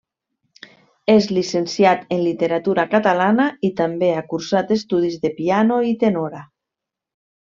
És llicenciat en literatura catalana i també ha cursat estudis de piano i tenora.